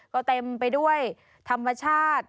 ก็เต็มไปด้วยธรรมชาติ